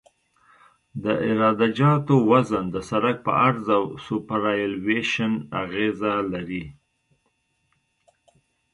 د عراده جاتو وزن د سرک په عرض او سوپرایلیویشن اغیزه لري